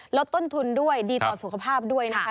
ลดต้นทุนด้วยดีต่อสุขภาพด้วยนะคะ